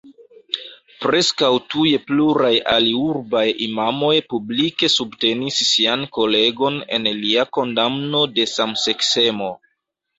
Preskaŭ tuj pluraj aliurbaj imamoj publike subtenis sian kolegon en lia kondamno de samseksemo.